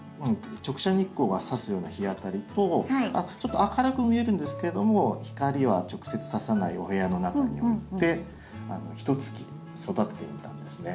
直射日光がさすような日当たりとちょっと明るく見えるんですけれども光は直接ささないお部屋の中に置いてひとつき育ててみたんですね。